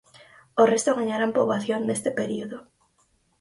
O resto gañarán poboación neste período.